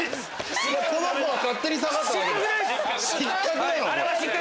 この子が勝手に下がっただけ。